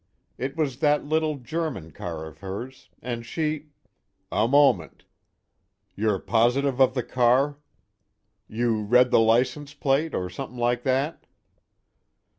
It was that little German car of hers, and she " "A moment. You're positive of the car? You read the license plate, or something like that?"